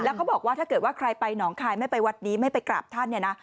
เขาบอกว่าถ้าเกิดว่าใครไปหนองคายไม่ไปวัดนี้ไม่ไปกราบท่านเนี่ยนะ